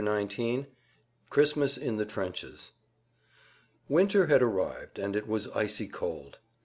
[Pg 156] XIX CHRISTMAS IN THE TRENCHES Winter had arrived and it was icy cold.